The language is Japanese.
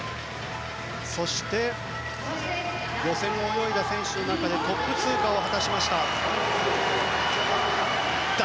そして、予選を泳いだ選手の中でトップ通過を果たしました。